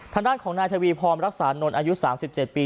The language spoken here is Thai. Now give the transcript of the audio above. ทางด้านของนายทวีพรรักษานนท์อายุ๓๗ปี